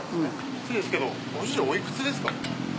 失礼ですけどご主人おいくつですか？